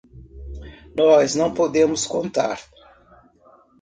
Nós não podemos contar.